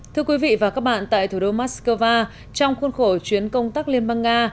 thưa quý vị và các bạn tại thủ đô moscow trong khuôn khổ chuyến công tác liên bang nga